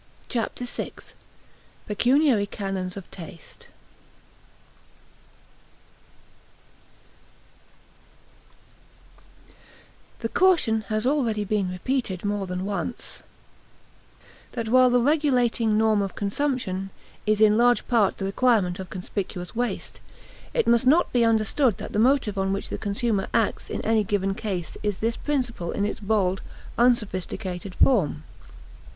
Chapter Six ~~ Pecuniary Canons of Taste The caution has already been repeated more than once, that while the regulating norm of consumption is in large part the requirement of conspicuous waste, it must not be understood that the motive on which the consumer acts in any given case is this principle in its bald, unsophisticated form.